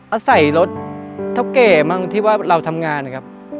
อาศัยรถเท่าแก่มั้งที่ว่าเราทำงานนะครับ